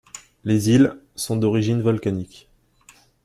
Les îles sont d’origine volcanique.